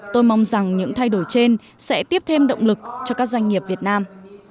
tôi mong rằng những thay đổi trên sẽ tiếp thêm động lực cho các doanh nghiệp việt nam